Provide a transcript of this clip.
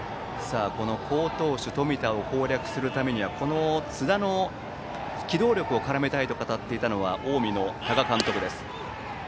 好投手の冨田を攻略するためにはこの津田の機動力を絡めたいと語ったのが近江の多賀監督です。